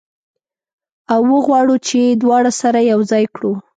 او وغواړو چې دواړه سره یو ځای کړو.